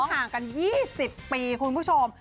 ห่างกัน๒๐ปีคุณผู้ชม